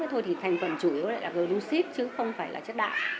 thì thôi thì thành phần chủ yếu là glucid chứ không phải là chất đại